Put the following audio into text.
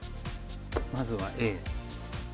まずはＡ。